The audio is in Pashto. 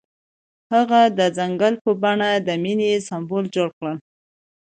هغه د ځنګل په بڼه د مینې سمبول جوړ کړ.